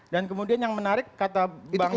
dan kemudian yang menarik kata bang jat